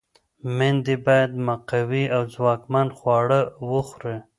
میندې باید مقوي او ځواکمن خواړه وخوري.